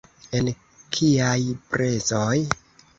En kiaj prezoj?